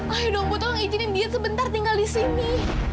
ayo tolong izin dia sebentar tinggal di sini